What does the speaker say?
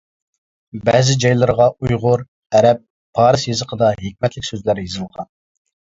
بەزى جايلىرىغا ئۇيغۇر، ئەرەب، پارس يېزىقىدا ھېكمەتلىك سۆزلەر يېزىلغان.